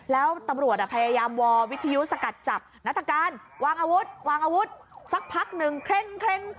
แล้วตำรวจพยายามวอลวิทยุสกัดจับนัฐกาลวางอาวุธวางอาวุธสักพักหนึ่งเคร่ง